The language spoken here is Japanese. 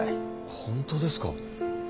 本当ですか。